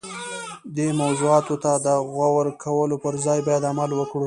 دې موضوعاتو ته د غور کولو پر ځای باید عمل وکړو.